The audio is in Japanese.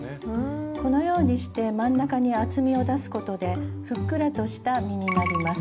このようにして真ん中に厚みを出すことでふっくらとした実になります。